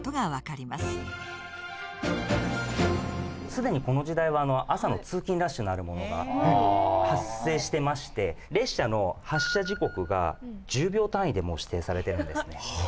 既にこの時代は朝の通勤ラッシュなるものが発生してまして列車の発車時刻が１０秒単位でもう指定されてるんですね。